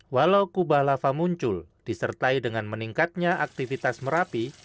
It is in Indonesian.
walau kubah lava muncul disertai dengan meningkatnya aktivitas merapi